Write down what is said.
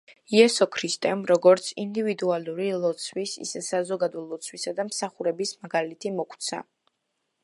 იესო ქრისტემ როგორც ინდივიდუალური ლოცვის, ისე საზოგადო ლოცვისა და მსახურების მაგალითი მოგვცა.